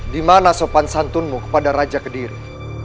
dimana sopan santunmu kepada raja kediri